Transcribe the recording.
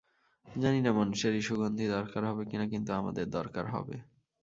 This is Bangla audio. জানি না মানুষের এই সুগন্ধি দরকার হবে কিনা, কিন্তু আমাদের দরকার হবে।